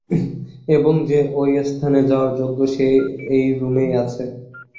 এবং যে ওই স্থানে যাওয়ার যোগ্য সে এই রুমেই আছে।